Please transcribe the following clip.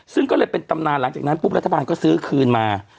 ซึ่งก็เลยเป็นตำนานหลังจากนั้นปุ๊บรัฐบาลก็ซื้อคืนมา